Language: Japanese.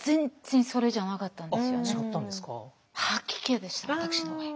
吐き気でした私の場合。